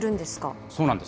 そうなんです。